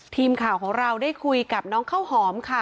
ทีมข่าวของเราได้คุยกับน้องข้าวหอมค่ะ